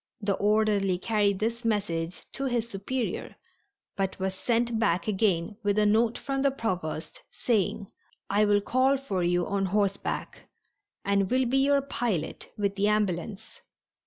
The orderly carried this message to his superior but was sent back again with a note from the Provost, saying: "I will call for you on horseback and will be your pilot with the ambulance.